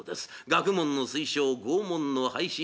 学問の推奨拷問の廃止